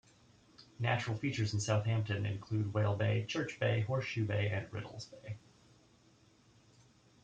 Natural features in Southampton include Whale Bay, Church Bay, Horseshoe Bay, and Riddell's Bay.